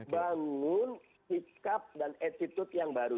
bangun sikap dan attitude yang baru